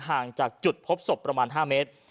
ห่างจากจุดพบศพประมาณ๕เมตร